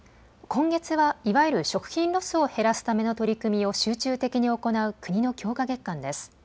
今月はいわゆる食品ロスを減らすための取り組みを集中的に行う国の強化月間です。